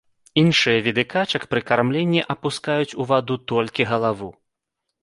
Іншыя віды качак пры кармленні апускаюць у ваду толькі галаву.